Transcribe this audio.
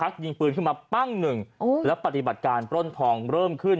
ขึ้นมาปั้งหนึ่งโอ้ยแล้วปฏิบัติการปล้นทองเริ่มขึ้น